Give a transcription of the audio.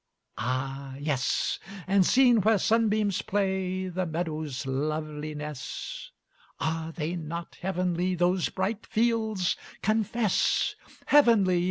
"Ah yes!" "And, seen where sunbeams play, The meadows' loveliness? Are they not heavenly those bright fields? Confess!" Heavenly!